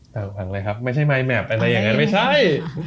ทำผังเลยครับไม่ใช่มายแมปอะไรอย่างนั้นไม่ใช่